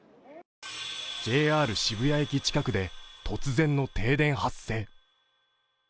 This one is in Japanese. ＪＲ渋谷駅近くで突然の停電発生。